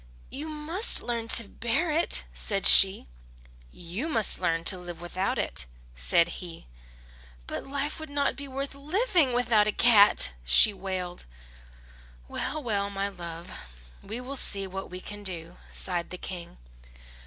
"You must learn to bear it!" said she. "You must learn to live without it!" said he. "But life would not be worth living without a cat!" she wailed. "Well, well, my love, we will see what we can do," sighed the King.